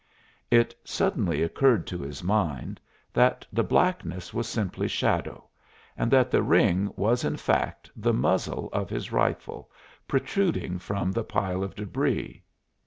It suddenly occurred to his mind that the blackness was simply shadow and that the ring was in fact the muzzle of his rifle protruding from the pile of débris.